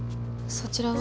そちらは？